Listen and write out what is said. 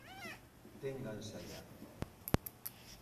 ¡ ténganse allá!